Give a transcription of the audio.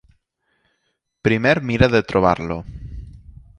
Primer mira de trobar-lo.